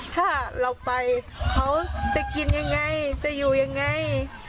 ถ้าเราไปเขาจะกินยังไงจะอยู่ยังไง